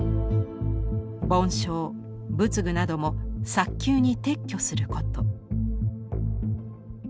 梵鐘仏具なども早急に撤去すること。